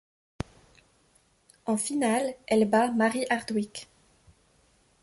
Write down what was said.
En finale, elle bat Mary Hardwick.